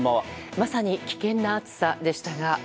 まさに危険な暑さでしたが。